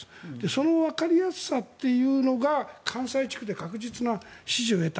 そのわかりやすさが関西地区で確実な支持を得た。